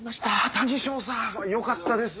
谷ショーさんよかったです。